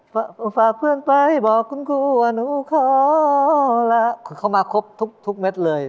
ฝากเพื่อนไปบอกคุณครูว่าหนูขอแล้วเขามาครบทุกเม็ดเลย